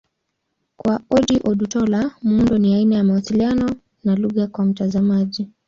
Kwa Ojih Odutola, muundo ni aina ya mawasiliano na lugha kwa mtazamaji.